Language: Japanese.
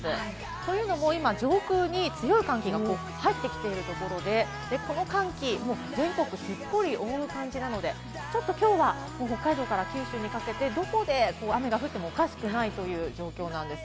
というのも、上空に強い寒気が入ってきているところで、この寒気、全国をすっぽり覆う感じなので、ちょっときょうは北海道から九州にかけて、どこで雨が降ってもおかしくないという状況なんです。